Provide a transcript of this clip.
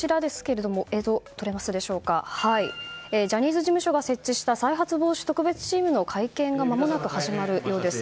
ジャニーズ事務所が設置した再発防止特別チームの会見が、まもなく始まるようです。